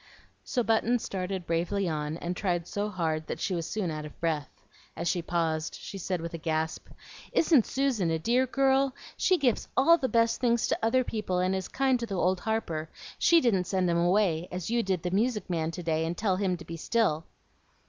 So Button started bravely on, and tried so hard that she was soon out of breath. As she paused, she said with a gasp, "Isn't Susan a dear girl? She gives ALL the best things to other people, and is kind to the old harper. She didn't send him away, as you did the music man to day, and tell him to be still."